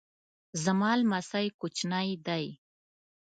زما لمسی کوچنی دی